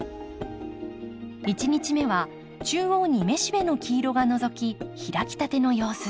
１日目は中央に雌しべの黄色がのぞき開きたての様子。